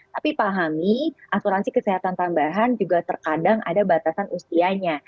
tapi pahami asuransi kesehatan tambahan juga terkadang ada batasan usianya